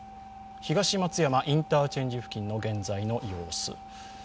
東松山インターチェンジ付近の現在の様子。